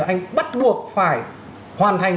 anh bắt buộc phải hoàn thành